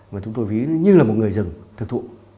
mà chúng tôi ví như là một người rừng thực thụ